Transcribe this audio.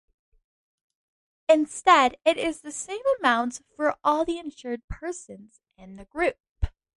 Instead it is the same amount for all the insured persons in the group.